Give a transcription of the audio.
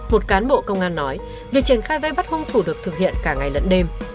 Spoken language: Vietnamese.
một cán bộ công an nói việc triển khai vây bắt hung thủ được thực hiện cả ngày lẫn đêm